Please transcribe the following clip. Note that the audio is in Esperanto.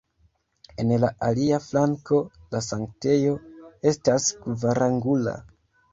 En la alia flanko la sanktejo estas kvarangula.